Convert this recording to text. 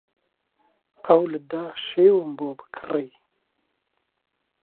قەولت دا شێوم بۆ بکڕی